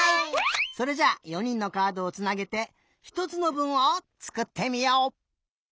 それじゃ４にんのカードをつなげてひとつのぶんをつくってみよう！